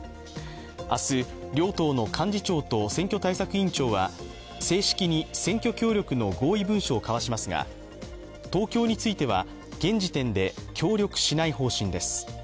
明日両党の幹事長と選挙対策委員長は正式に選挙協力の合意文書を交わしますが東京については現時点で協力しない方針です。